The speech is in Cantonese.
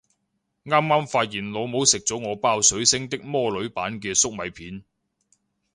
啱啱發現老母食咗我包水星的魔女版嘅粟米片